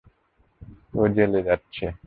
ও জেলে যাচ্ছে।